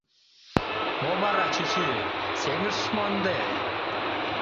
— Мо вара, чӱчӱ, сеҥышыч мо ынде?